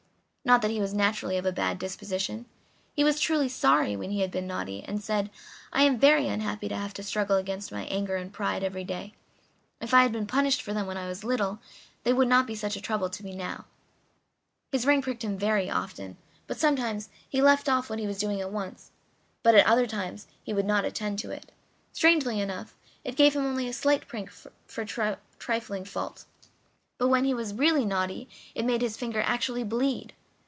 Not that he was naturally of a bad disposition; he was truly sorry when he had been naughty, and said: "I am very unhappy to have to struggle against my anger and pride every day; if I had been punished for them when I was little they would not be such a trouble to me now." His ring pricked him very often, and sometimes he left off what he was doing at once; but at other times he would not attend to it. Strangely enough, it gave him only a slight prick for a trifling fault, but when he was really naughty it made his finger actually bleed.